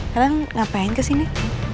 kalian ngapain kesini